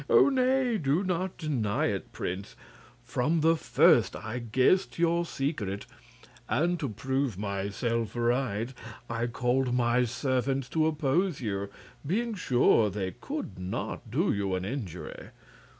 Nay, do not deny it, Prince; from the first I guessed your secret, and to prove myself right I called my servants to oppose you, being sure they could not do you an injury.